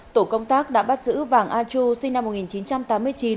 tổ công tác đã bắt giữ vàng a chu sinh năm một nghìn chín trăm tám mươi chín